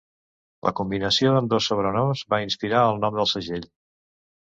La combinació d'ambdós sobrenoms va inspirar el nom del segell.